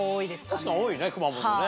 確かに多いね熊本ね。